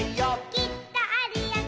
「きっとあるよね」